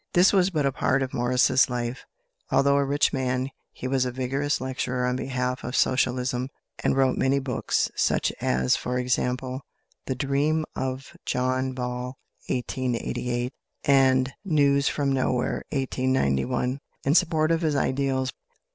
This was but a part of Morris's life. Although a rich man, he was a vigorous lecturer on behalf of Socialism, and wrote many books, such as, for example: "The Dream of John Ball" (1888), and "News from Nowhere" (1891), in support of his ideals.